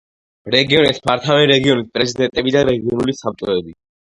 რეგიონებს მართავენ რეგიონის პრეზიდენტები და რეგიონული საბჭოები.